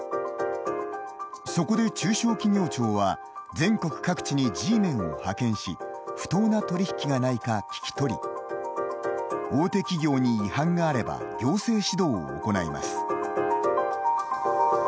そこで、中小企業庁は全国各地にＧメンを派遣し不当な取り引きがないか聞き取り大手企業に違反があれば行政指導を行います。